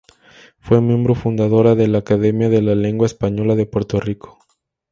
Fue miembro fundadora de la Academia de la Lengua Española de Puerto Rico.